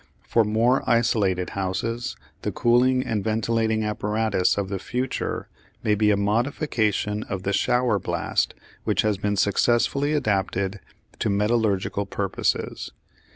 For more isolated houses the cooling and ventilating apparatus of the future may be a modification of the "shower blast" which has been successfully adapted to metallurgical purposes.